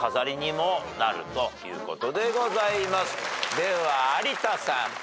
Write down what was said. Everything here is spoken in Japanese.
では有田さん。